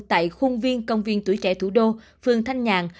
tại khuôn viên công viên tuổi trẻ thủ đô phường thanh nhàn